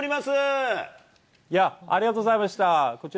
夜分遅くにありがとうございました。